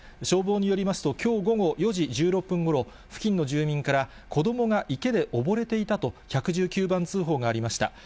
消防によりますと、きょう午後４時１６分ごろ、付近の住人から、子どもが池で溺れていたと１１９番通報がありました。